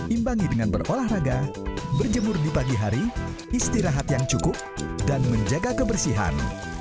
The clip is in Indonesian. imbangi dengan berolahraga berjemur di pagi hari istirahat yang cukup dan menjaga kebersihan